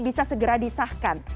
bisa segera disahkan